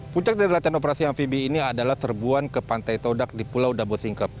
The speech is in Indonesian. puncak dari latihan operasi amfibi ini adalah serbuan ke pantai todak di pulau dabo singkep